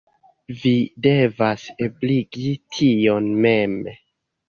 Vi devas ebligi tion mem.